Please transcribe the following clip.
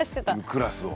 クラスを。